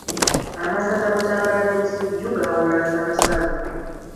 Amasaza Butambala ne Busujju gaawula nsalosalo.